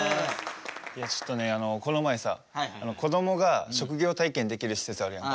ちょっとねこの前さこどもが職業体験できる施設あるやんか。